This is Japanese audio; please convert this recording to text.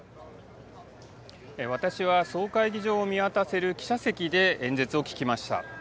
私は、総会議場を見渡せる記者席で演説を聞きました。